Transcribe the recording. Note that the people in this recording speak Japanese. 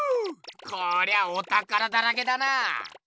こりゃあおたからだらけだな。